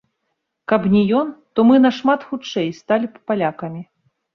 Каб не ён, то мы нашмат хутчэй сталі б палякамі.